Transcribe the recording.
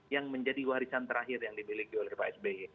yang menjadi warisan terakhir yang dimiliki oleh pak sby